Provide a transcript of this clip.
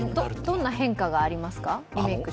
どんな変化がありますか？